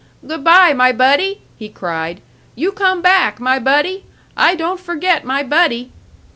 "Good bye, my buddy!" he cried. "You come back, my buddy! I don't forget my buddy!"